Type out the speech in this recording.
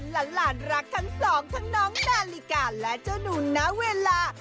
หลานรักทั้งสองทั้งน้องนาฬิกาและเจ้าหนูณเวลา